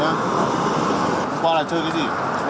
hôm qua là chơi cái gì